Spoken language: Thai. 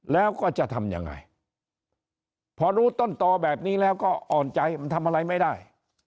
แล้วก็จะทำยังไงพอรู้ต้นตอแบบนี้แล้วก็อ่อนใจมันทำอะไรไม่ได้